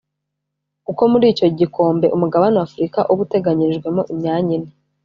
kuko muri icyo gikombe umugabane wa Afurika uba uteganyirijwemo imyanya ine